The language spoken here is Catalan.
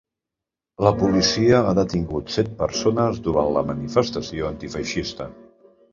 La policia ha detingut set persones durant la manifestació antifeixista.